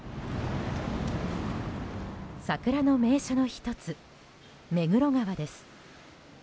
桜の名所の１つ目黒川です。